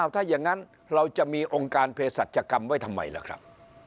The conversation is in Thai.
ถ้าอย่างนั้นเราจะมีองค์การเพศสัจกรรมไว้ทำไมล่ะครับ